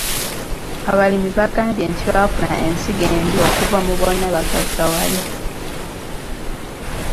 Abalimi baagambye nti baafuna ensigo embi okuva mu bonnabagaggawale.